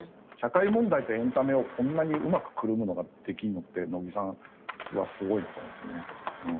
社会問題とエンタメをこんなにうまくくるむのができるのって野木さんはすごいなと思いますね。